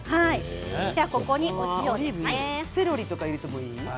セロリとか入れてもいい？